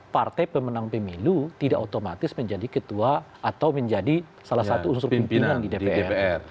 partai pemenang pemilu tidak otomatis menjadi ketua atau menjadi salah satu unsur pimpinan di dpr